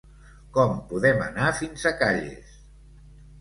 Com podem anar fins a Calles?